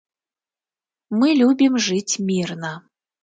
Мы любім жыць мірна.